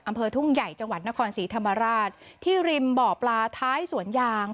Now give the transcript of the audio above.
อำเภอทุ่งใหญ่จังหวัดนครศรีธรรมราชที่ริมบ่อปลาท้ายสวนยาง